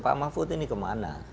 pak mahfud ini kemana